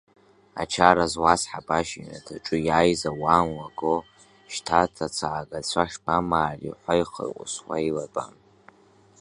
Ачара зуаз Ҳабашь иҩнаҭаҿы иааиз ауаа млаго, шьҭа аҭацаагацәа шԥамаари ҳәа ихырҟәысуа еилатәан.